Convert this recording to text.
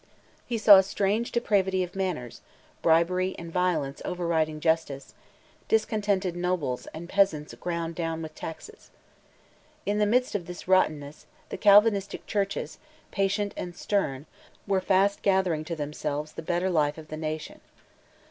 He saw a strange depravity of manners; bribery and violence overriding justice; discontented nobles, and peasants ground down with taxes. In the midst of this rottenness, the Calvinistic churches, patient and stern, were fast gathering to themselves the better life of the nation.